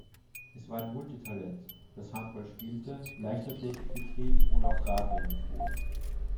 Er war ein Multitalent, das Handball spielte, Leichtathletik betrieb und auch Radrennen fuhr.